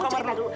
cerita dulu aduh